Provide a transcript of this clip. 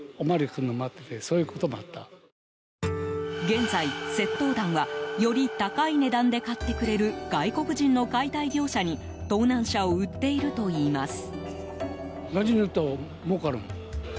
現在、窃盗団はより高い値段で買ってくれる外国人の解体業者に盗難車を売っているといいます。